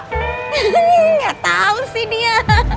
hmm gak tau sih dia